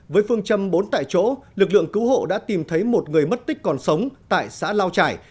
với phương châm bốn tại chỗ lực lượng cứu hộ đã tìm thấy một người mất tích còn sống tại xã lao trải